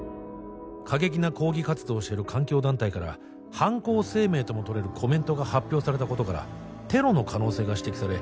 過激な抗議活動をしてる環境団体から犯行声明ともとれるコメントが発表されたことからテロの可能性が指摘され